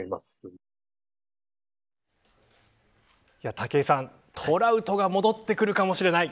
武井さん、トラウトが戻ってくるかもしれない。